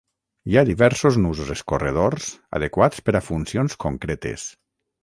Hi ha diversos nusos escorredors adequats per a funcions concretes.